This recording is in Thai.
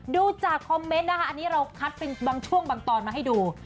ดูจากคอมเมนต์นะคะอันนี้เราคัดเป็นบางช่วงบางตอนมาให้ดู